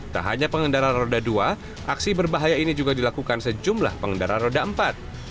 tak hanya pengendara roda dua aksi berbahaya ini juga dilakukan sejumlah pengendara roda empat